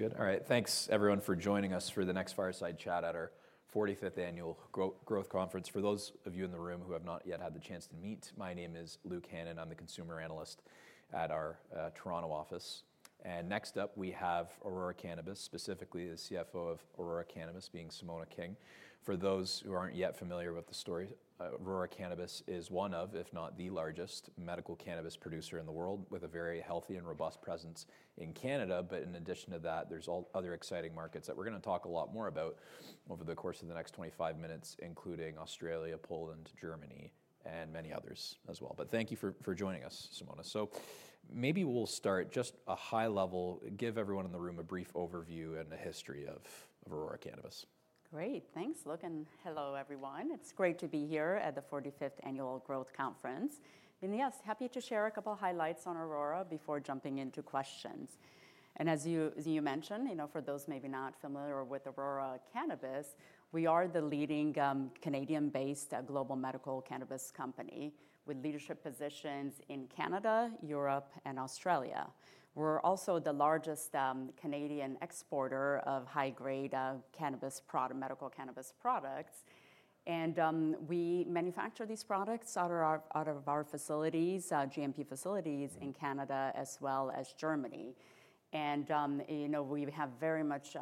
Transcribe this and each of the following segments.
Good. All right. Thanks everyone for joining us for the next fireside chat at our 45th annual Growth Conference. For those of you in the room who have not yet had the chance to meet, my name is Luke Hannan. I'm the Consumer Analyst at our Toronto office. Next up, we have Aurora Cannabis, specifically the CFO of Aurora Cannabis being Simona King. For those who aren't yet familiar with the story, Aurora Cannabis is one of, if not the largest, medical cannabis producer in the world, with a very healthy and robust presence in Canada. In addition to that, there's other exciting markets that we're going to talk a lot more about over the course of the next 25 minutes, including Australia, Poland, Germany, and many others as well. Thank you for joining us, Simona. Maybe we'll start just a high level, give everyone in the room a brief overview and a history of Aurora Cannabis. Great. Thanks, Luke. Hello everyone. It's great to be here at the 45th Annual Growth Conference. Yes, happy to share a couple of highlights on Aurora before jumping into questions. As you mentioned, for those maybe not familiar with Aurora Cannabis, we are the leading Canadian-based global medical cannabis company with leadership positions in Canada, Europe, and Australia. We're also the largest Canadian exporter of high-grade cannabis products, medical cannabis products. We manufacture these products out of our facilities, GMP facilities in Canada, as well as Germany. We have very much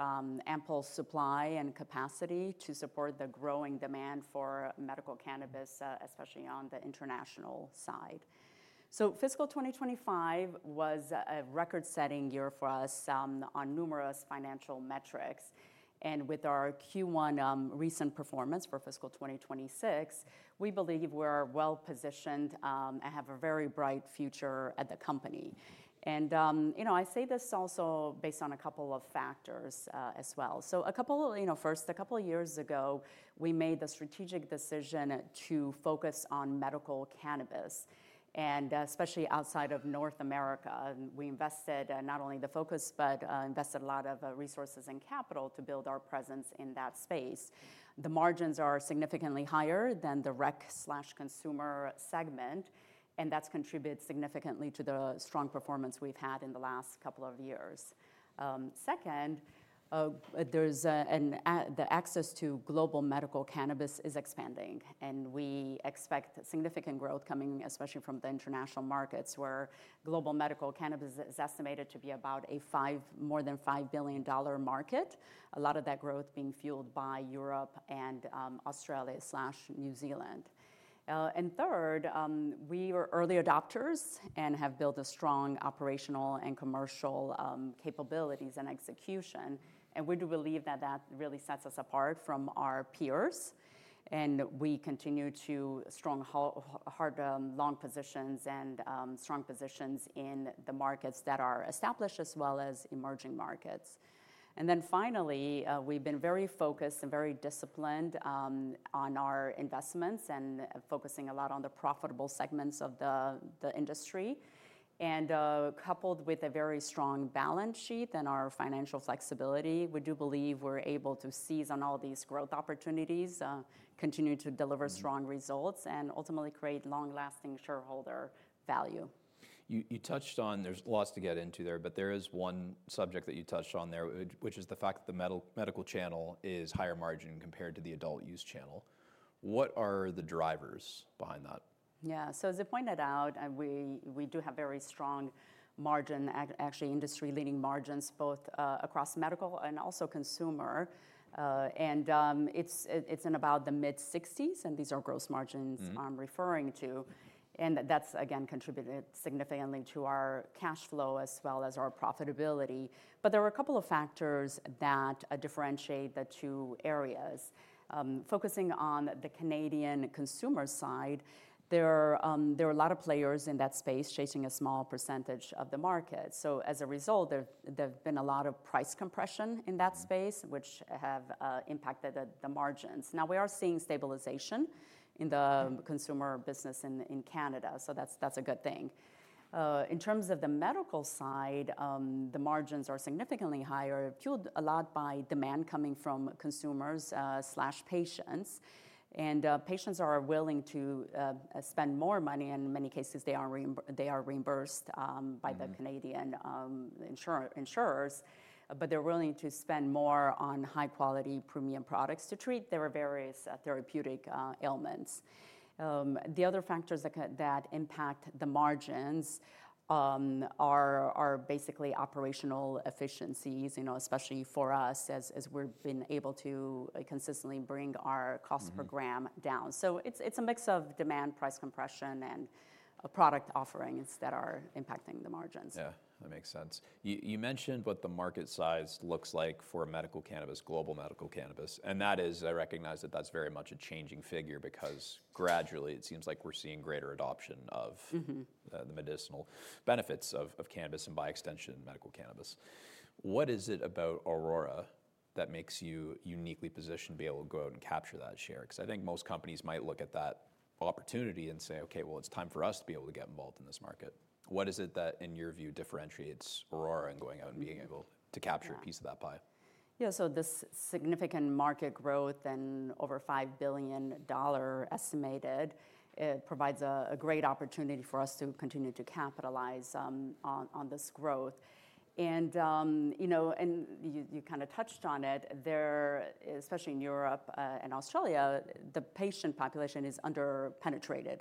ample supply and capacity to support the growing demand for medical cannabis, especially on the international side. Fiscal 2025 was a record-setting year for us on numerous financial metrics. With our Q1 recent performance for fiscal 2026, we believe we're well positioned and have a very bright future at the company. I say this also based on a couple of factors as well. First, a couple of years ago, we made the strategic decision to focus on medical cannabis, and especially outside of North America. We invested not only the focus, but invested a lot of resources and capital to build our presence in that space. The margins are significantly higher than the rec/consumer segment, and that's contributed significantly to the strong performance we've had in the last couple of years. Second, the access to global medical cannabis is expanding. We expect significant growth coming, especially from the international markets, where global medical cannabis is estimated to be about a more than $5 billion market. A lot of that growth being fueled by Europe and Australia/New Zealand. Third, we were early adopters and have built strong operational and commercial capabilities and execution. We do believe that that really sets us apart from our peers. We continue to stronghold long positions and strong positions in the markets that are established, as well as emerging markets. Finally, we've been very focused and very disciplined on our investments and focusing a lot on the profitable segments of the industry. Coupled with a very strong balance sheet and our financial flexibility, we do believe we're able to seize on all these growth opportunities, continue to deliver strong results, and ultimately create long-lasting shareholder value. You touched on, there's lots to get into there, but there is one subject that you touched on there, which is the fact that the medical channel is higher margin compared to the adult use channel. What are the drivers behind that? Yeah, as I pointed out, we do have very strong margins, actually industry-leading margins both across medical and also consumer. It's in about the mid-60%, and these are gross margins I'm referring to. That's again contributed significantly to our cash flow as well as our profitability. There are a couple of factors that differentiate the two areas. Focusing on the Canadian consumer side, there are a lot of players in that space chasing a small percentage of the market. As a result, there has been a lot of price compression in that space, which has impacted the margins. Now we are seeing stabilization in the consumer business in Canada, so that's a good thing. In terms of the medical side, the margins are significantly higher, fueled a lot by demand coming from consumers and patients. Patients are willing to spend more money, and in many cases, they are reimbursed by the Canadian insurers. They're willing to spend more on high-quality premium products to treat their various therapeutic ailments. The other factors that impact the margins are basically operational efficiencies, especially for us, as we've been able to consistently bring our cost program down. It's a mix of demand, price compression, and product offerings that are impacting the margins. Yeah, that makes sense. You mentioned what the market size looks like for medical cannabis, global medical cannabis. That is, I recognize that that's very much a changing figure because gradually it seems like we're seeing greater adoption of the medicinal benefits of cannabis and by extension, medical cannabis. What is it about Aurora that makes you uniquely positioned to be able to go out and capture that share? I think most companies might look at that opportunity and say, OK, it's time for us to be able to get involved in this market. What is it that, in your view, differentiates Aurora in going out and being able to capture a piece of that pie? Yeah, this significant market growth and over $5 billion estimated provides a great opportunity for us to continue to capitalize on this growth. You kind of touched on it there, especially in Europe and Australia, the patient population is underpenetrated,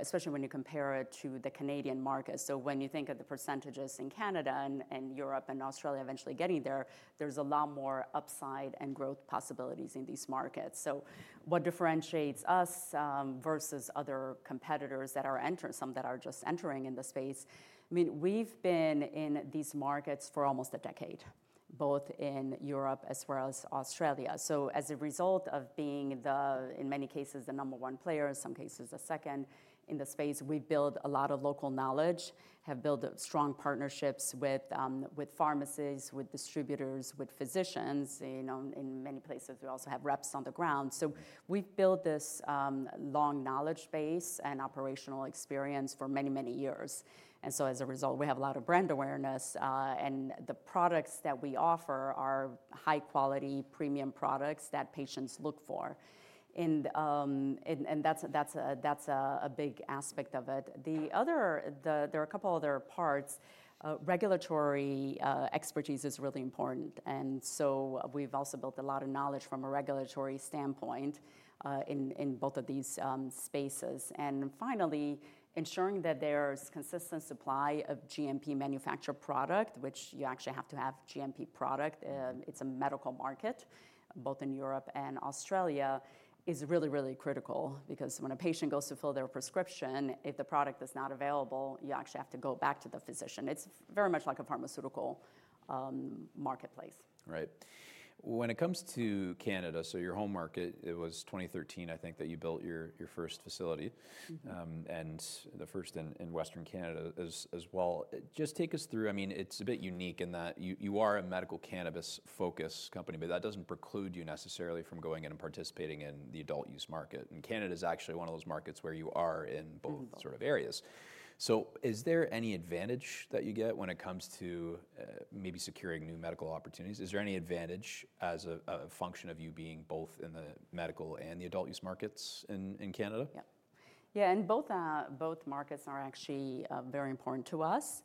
especially when you compare it to the Canadian market. When you think of the percentages in Canada and Europe and Australia eventually getting there, there's a lot more upside and growth possibilities in these markets. What differentiates us versus other competitors that are entering, some that are just entering in the space? We've been in these markets for almost a decade, both in Europe as well as Australia. As a result of being, in many cases, the number one player, in some cases the second in the space, we build a lot of local knowledge, have built strong partnerships with pharmacies, with distributors, with physicians. In many places, we also have reps on the ground. We've built this long knowledge base and operational experience for many, many years. As a result, we have a lot of brand awareness. The products that we offer are high-quality premium products that patients look for. That's a big aspect of it. There are a couple of other parts. Regulatory expertise is really important. We've also built a lot of knowledge from a regulatory standpoint in both of these spaces. Finally, ensuring that there's consistent supply of GMP manufactured product, which you actually have to have GMP product. It's a medical market, both in Europe and Australia, is really, really critical because when a patient goes to fill their prescription, if the product is not available, you actually have to go back to the physician. It's very much like a pharmaceutical marketplace. Right. When it comes to Canada, your home market, it was 2013, I think, that you built your first facility, and the first in Western Canada as well. Just take us through, I mean, it's a bit unique in that you are a medical cannabis-focused company, but that doesn't preclude you necessarily from going in and participating in the adult use market. Canada is actually one of those markets where you are in both sort of areas. Is there any advantage that you get when it comes to maybe securing new medical opportunities? Is there any advantage as a function of you being both in the medical and the adult use markets in Canada? Yeah, and both markets are actually very important to us.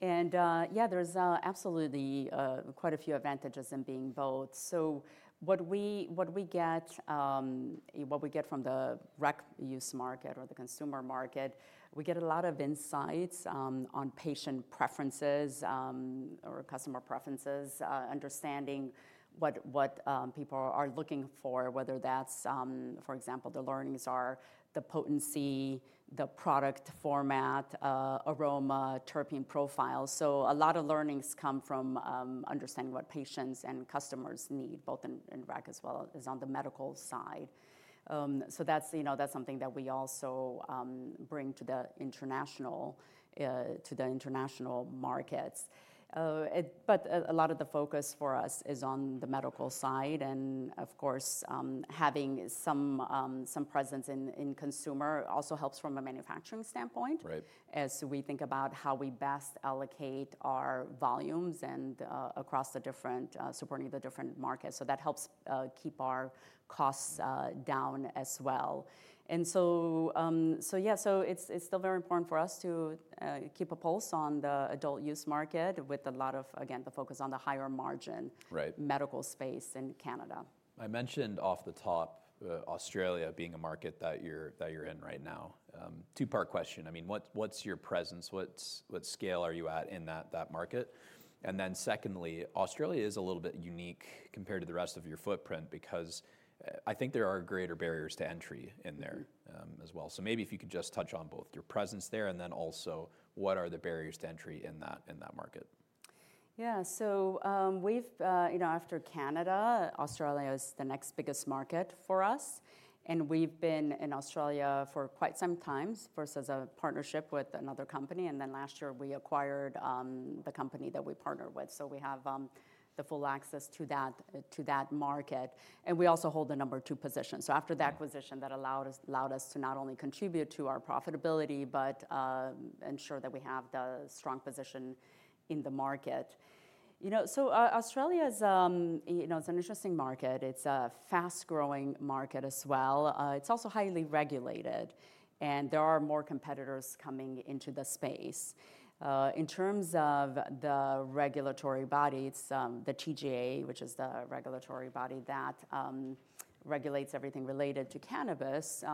There's absolutely quite a few advantages in being both. What we get from the rec use market or the consumer market, we get a lot of insights on patient preferences or customer preferences, understanding what people are looking for, whether that's, for example, the learnings are the potency, the product format, aroma, terpene profile. A lot of learnings come from understanding what patients and customers need, both in consumer cannabis as well as on the medical cannabis side. That's something that we also bring to the international markets. A lot of the focus for us is on the medical cannabis side. Of course, having some presence in consumer also helps from a manufacturing standpoint. Right. As we think about how we best allocate our volumes across the different markets, supporting the different markets, that helps keep our costs down as well. It's still very important for us to keep a pulse on the adult use market, with a lot of the focus on the higher margin medical space in Canada. I mentioned off the top Australia being a market that you're in right now. Two-part question. I mean, what's your presence? What scale are you at in that market? Secondly, Australia is a little bit unique compared to the rest of your footprint because I think there are greater barriers to entry in there as well. Maybe if you could just touch on both your presence there and then also what are the barriers to entry in that market. Yeah, so we've, you know, after Canada, Australia is the next biggest market for us. We've been in Australia for quite some time, first as a partnership with another company. Then last year, we acquired the company that we partnered with, so we have the full access to that market. We also hold the number two position. After the acquisition, that allowed us to not only contribute to our profitability, but ensure that we have the strong position in the market. Australia is an interesting market. It's a fast-growing market as well. It's also highly regulated, and there are more competitors coming into the space. In terms of the regulatory body, it's the TGA, which is the regulatory body that regulates everything related to cannabis.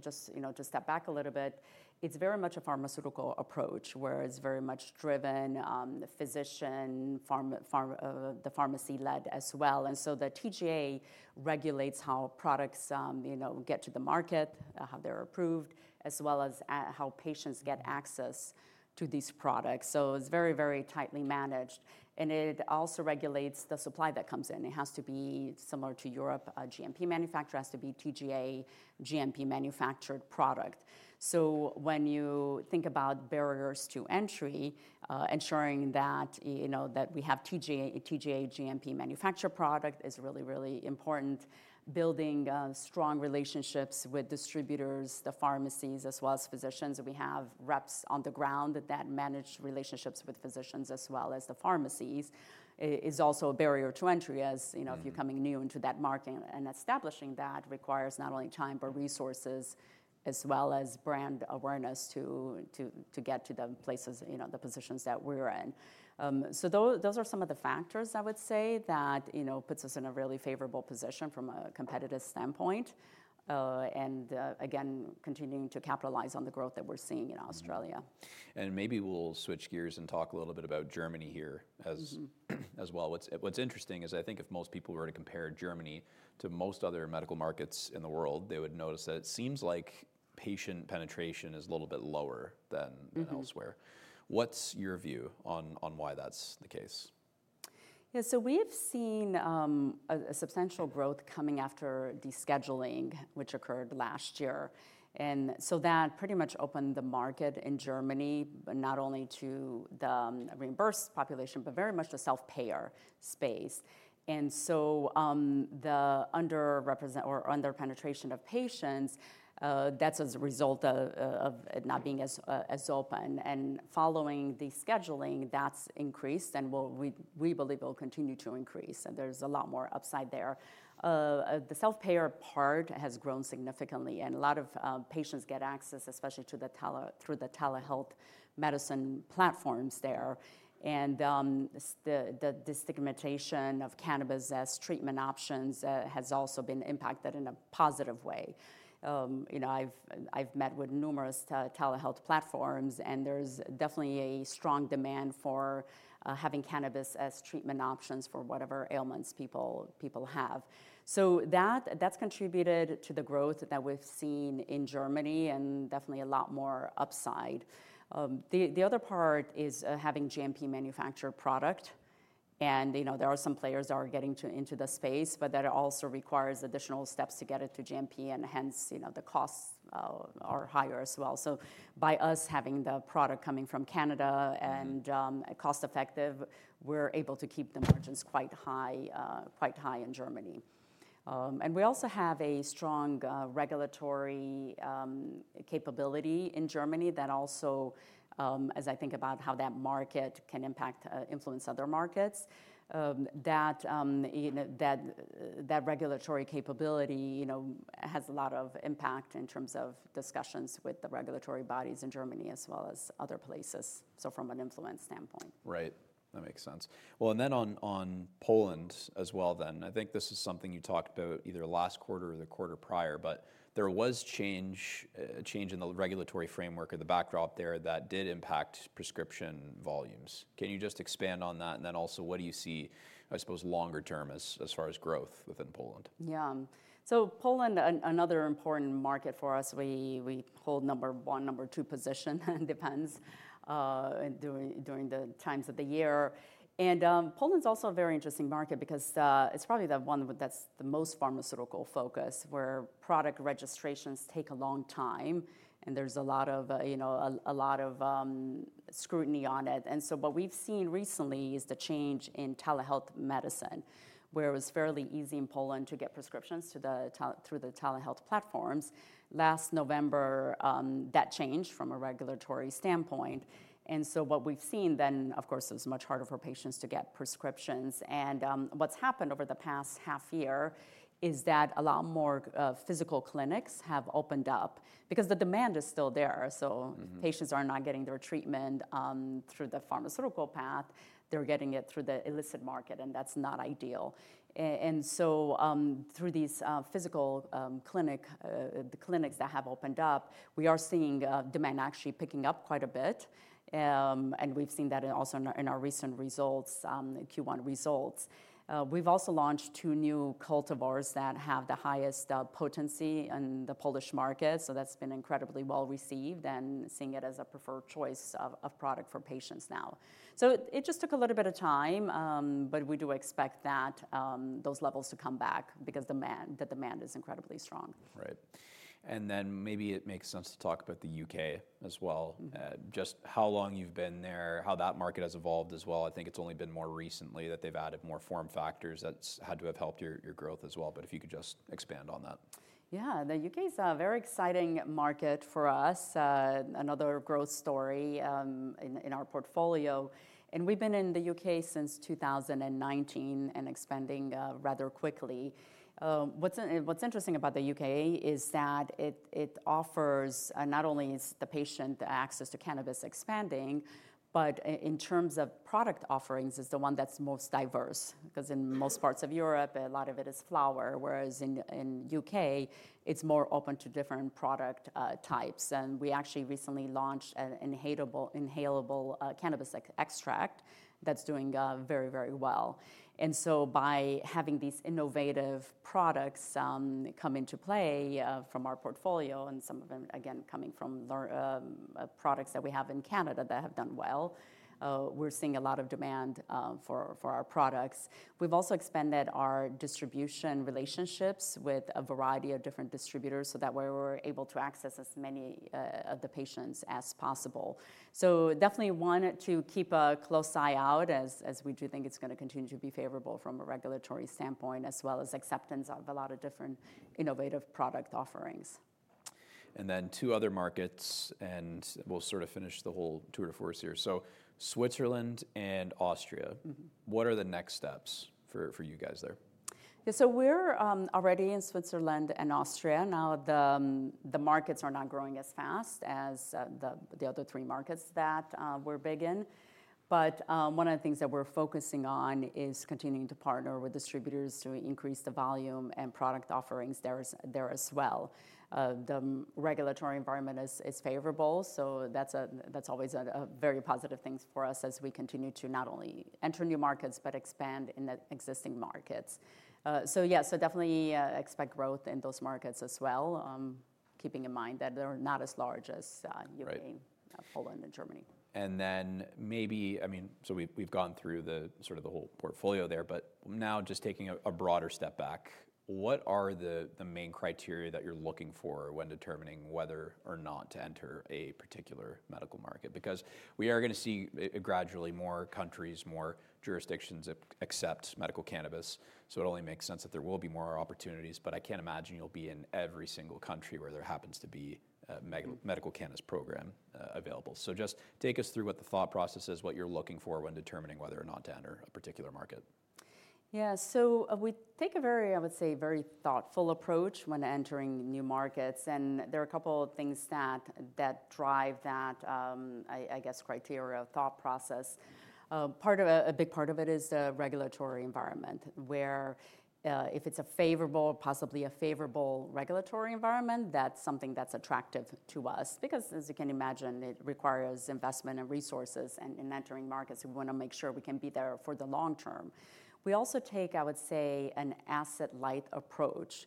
Just to step back a little bit, it's very much a pharmaceutical approach, where it's very much driven physician, the pharmacy-led as well. The TGA regulates how products get to the market, how they're approved, as well as how patients get access to these products. It's very, very tightly managed. It also regulates the supply that comes in. It has to be similar to Europe. A GMP manufacturer has to be TGA, GMP manufactured product. When you think about barriers to entry, ensuring that we have TGA, GMP manufactured product is really, really important. Building strong relationships with distributors, the pharmacies, as well as physicians. We have reps on the ground that manage relationships with physicians, as well as the pharmacies. It is also a barrier to entry as, if you're coming new into that market and establishing that requires not only time, but resources, as well as brand awareness to get to the places, the positions that we're in. Those are some of the factors I would say that put us in a really favorable position from a competitive standpoint. Again, continuing to capitalize on the growth that we're seeing in Australia. Maybe we'll switch gears and talk a little bit about Germany here as well. What's interesting is I think if most people were to compare Germany to most other medical markets in the world, they would notice that it seems like patient penetration is a little bit lower than elsewhere. What's your view on why that's the case? Yeah, so we've seen substantial growth coming after de-scheduling, which occurred last year. That pretty much opened the market in Germany, not only to the reimbursed population, but very much the self-payer space. The underrepresented or underpenetration of patients, that's as a result of it not being as open. Following de-scheduling, that's increased, and we believe it will continue to increase. There's a lot more upside there. The self-payer part has grown significantly, and a lot of patients get access, especially through the telehealth medicine platforms there. The stigmatization of cannabis as treatment options has also been impacted in a positive way. I've met with numerous telehealth platforms, and there's definitely a strong demand for having cannabis as treatment options for whatever ailments people have. That's contributed to the growth that we've seen in Germany and definitely a lot more upside. The other part is having GMP- manufactured product. There are some players that are getting into the space, but that also requires additional steps to get it to GMP, and hence, the costs are higher as well. By us having the product coming from Canada and cost-effective, we're able to keep the margins quite high in Germany. We also have a strong regulatory capability in Germany that also, as I think about how that market can impact, influence other markets, that regulatory capability has a lot of impact in terms of discussions with the regulatory bodies in Germany, as well as other places from an influence standpoint. Right. That makes sense. On Poland as well, I think this is something you talked about either last quarter or the quarter prior, but there was a change in the regulatory framework in the backdrop there that did impact prescription volumes. Can you just expand on that? Also, what do you see, I suppose, longer term as far as growth within Poland? Yeah. Poland, another important market for us, we hold number one, number two position, depends during the times of the year. Poland's also a very interesting market because it's probably the one that's the most pharmaceutical focused, where product registrations take a long time. There's a lot of scrutiny on it. What we've seen recently is the change in telehealth medicine, where it was fairly easy in Poland to get prescriptions through the telehealth platforms. Last November, that changed from a regulatory standpoint. What we've seen then, of course, it was much harder for patients to get prescriptions. What's happened over the past half year is that a lot more physical clinics have opened up because the demand is still there. Patients are not getting their treatment through the pharmaceutical path. They're getting it through the illicit market. That's not ideal. Through these physical clinics that have opened up, we are seeing demand actually picking up quite a bit. We've seen that also in our recent results, Q1 results. We've also launched two new cultivars that have the highest potency in the Polish market. That's been incredibly well received and seeing it as a preferred choice of product for patients now. It just took a little bit of time, but we do expect those levels to come back because the demand is incredibly strong. Right. Maybe it makes sense to talk about the U.K. as well. Just how long you've been there, how that market has evolved as well. I think it's only been more recently that they've added more form factors that had to have helped your growth as well. If you could just expand on that. Yeah, the U.K. is a very exciting market for us, another growth story in our portfolio. We've been in the U.K. since 2019 and expanding rather quickly. What's interesting about the U.K. is that it offers not only the patient access to cannabis expanding, but in terms of product offerings, it's the one that's most diverse. In most parts of Europe, a lot of it is flower, whereas in the U.K., it's more open to different product types. We actually recently launched an inhalable cannabis extract that's doing very, very well. By having these innovative products come into play from our portfolio and some of them, again, coming from products that we have in Canada that have done well, we're seeing a lot of demand for our products. We've also expanded our distribution relationships with a variety of different distributors so that we're able to access as many of the patients as possible. We definitely want to keep a close eye out as we do think it's going to continue to be favorable from a regulatory standpoint, as well as acceptance of a lot of different innovative product offerings. Two other markets, and we'll sort of finish the whole tour de force here. Switzerland and Austria. What are the next steps for you guys there? Yeah, we're already in Switzerland and Austria. The markets are not growing as fast as the other three markets that we're big in. One of the things that we're focusing on is continuing to partner with distributors to increase the volume and product offerings there as well. The regulatory environment is favorable, which is always a very positive thing for us as we continue to not only enter new markets, but expand in existing markets. Definitely expect growth in those markets as well, keeping in mind that they're not as large as Europe, Poland, and Germany. We've gone through the sort of the whole portfolio there. Now just taking a broader step back, what are the main criteria that you're looking for when determining whether or not to enter a particular medical market? We are going to see gradually more countries, more jurisdictions accept medical cannabis. It only makes sense that there will be more opportunities. I can't imagine you'll be in every single country where there happens to be a medical cannabis program available. Just take us through what the thought process is, what you're looking for when determining whether or not to enter a particular market. Yeah, so we take a very, I would say, very thoughtful approach when entering new markets. There are a couple of things that drive that, I guess, criteria or thought process. Part of a big part of it is the regulatory environment, where if it's a favorable, possibly a favorable regulatory environment, that's something that's attractive to us. As you can imagine, it requires investment and resources in entering markets. We want to make sure we can be there for the long term. We also take, I would say, an asset-light approach.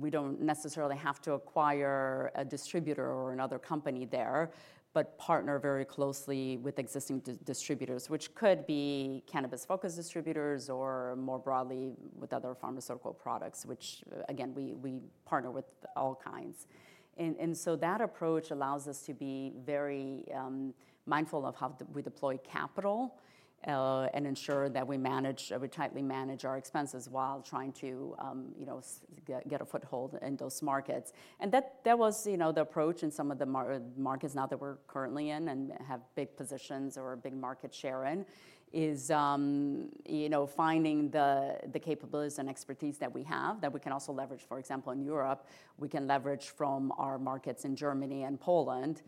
We don't necessarily have to acquire a distributor or another company there, but partner very closely with existing distributors, which could be cannabis-focused distributors or more broadly with other pharmaceutical products, which again, we partner with all kinds. That approach allows us to be very mindful of how we deploy capital and ensure that we tightly manage our expenses while trying to get a foothold in those markets. That was the approach in some of the markets now that we're currently in and have big positions or big market share in, finding the capabilities and expertise that we have that we can also leverage. For example, in Europe, we can leverage from our markets in Germany and Poland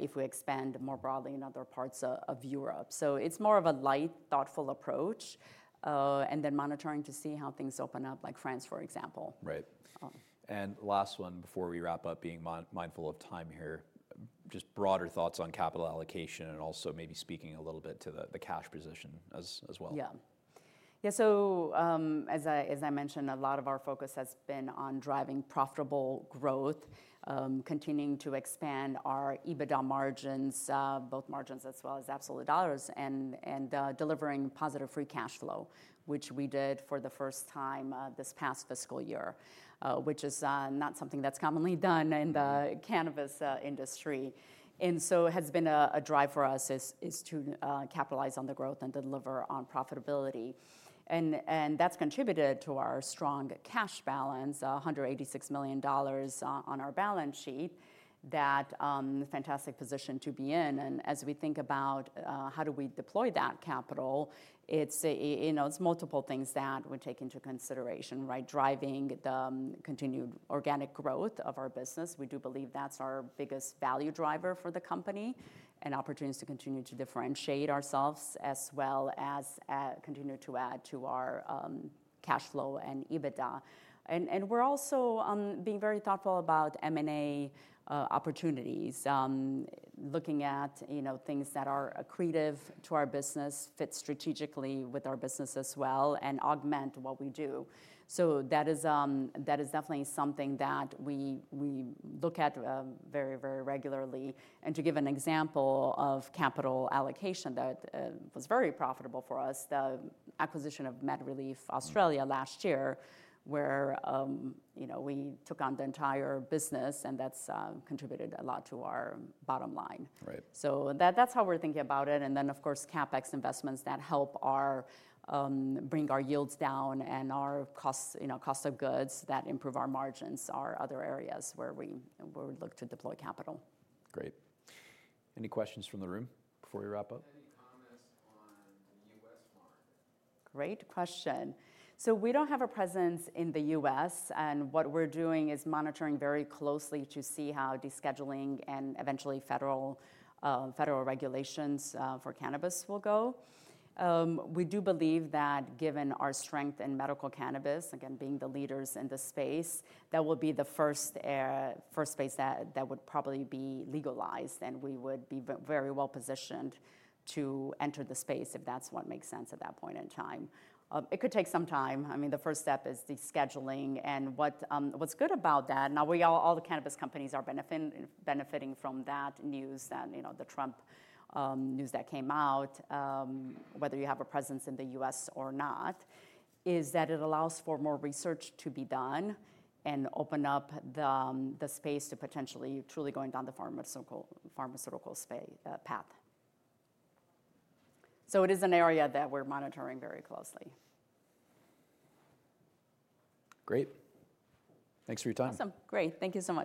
if we expand more broadly in other parts of Europe. It's more of a light, thoughtful approach and then monitoring to see how things open up, like France, for example. Right. Last one before we wrap up, being mindful of time here, just broader thoughts on capital allocation and also maybe speaking a little bit to the cash position as well. Yeah, so as I mentioned, a lot of our focus has been on driving profitable growth, continuing to expand our EBITDA margins, both margins as well as absolute dollars, and delivering positive free cash flow, which we did for the first time this past fiscal year, which is not something that's commonly done in the cannabis industry. It has been a drive for us to capitalize on the growth and deliver on profitability. That's contributed to our strong cash balance, $186 million on our balance sheet, that fantastic position to be in. As we think about how do we deploy that capital, it's multiple things that we take into consideration, right? Driving the continued organic growth of our business. We do believe that's our biggest value driver for the company and opportunities to continue to differentiate ourselves as well as continue to add to our cash flow and EBITDA. We're also being very thoughtful about M&A opportunities, looking at things that are accretive to our business, fit strategically with our business as well, and augment what we do. That is definitely something that we look at very, very regularly. To give an example of capital allocation that was very profitable for us, the acquisition of MedReleaf Australia last year, where we took on the entire business and that's contributed a lot to our bottom line. Right. That's how we're thinking about it. Of course, CapEx investments that help bring our yields down and our costs of goods that improve our margins are other areas where we look to deploy capital. Great. Any questions from the room before we wrap up? Great question. We don't have a presence in the U.S., and what we're doing is monitoring very closely to see how de-scheduling and eventually federal regulations for cannabis will go. We do believe that given our strength in medical cannabis, again, being the leaders in the space, that will be the first space that would probably be legalized. We would be very well positioned to enter the space if that's what makes sense at that point in time. It could take some time. The first step is de-scheduling. What's good about that, now all the cannabis companies are benefiting from that news and, you know, the Trump news that came out, whether you have a presence in the U.S. or not, is that it allows for more research to be done and opens up the space to potentially truly going down the pharmaceutical path. It is an area that we're monitoring very closely. Great. Thanks for your time. Awesome. Great. Thank you so much.